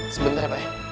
sebentar ya pak